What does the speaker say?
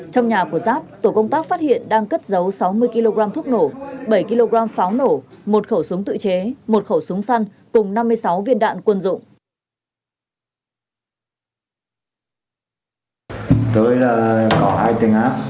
trong nhà của giáp tổ công tác phát hiện đang cất giấu sáu mươi kg thuốc nổ bảy kg pháo nổ một khẩu súng tự chế một khẩu súng săn cùng năm mươi sáu viên đạn quân dụng